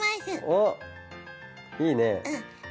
おっいいね。